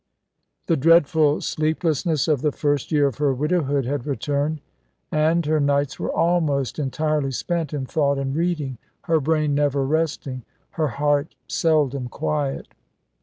The dreadful sleeplessness of the first year of her widowhood had returned; and her nights were almost entirely spent in thought and reading, her brain never resting, her heart seldom quiet.